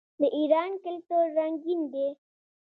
د ایران کلتور رنګین دی.